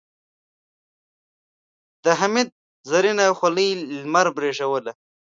د حميد زرينه خولۍ لمر برېښوله.